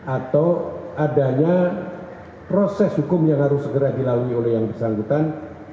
atau adanya proses hukum yang harus segera dilalui oleh yang bersangkutan